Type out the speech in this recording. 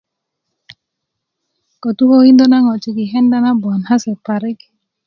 kotukökindö na ŋwajik yi kenda na bukun kase parik